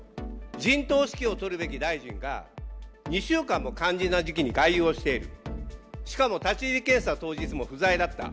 陣頭指揮を執るべき大臣が、２週間も肝心な時期に外遊をして、しかも立ち入り検査当日も不在だった。